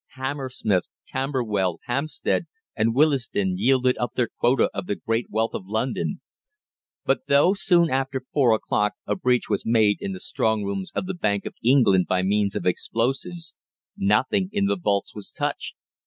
Hammersmith, Camberwell, Hampstead, and Willesden yielded up their quota of the great wealth of London; but though soon after four o'clock a breach was made in the strong rooms of the Bank of England by means of explosives, nothing in the vaults was touched.